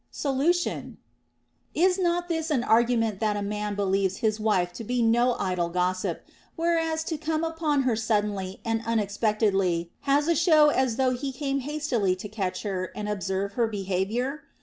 Solution. Is not this an argument that a man believes his wife to be no idle gossip, whereas to come upon her suddenly and unexpectedly has a show as though he came hastily to catch her and observe her behavior?